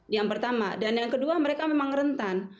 yang pertama dan yang kedua mereka memang rentan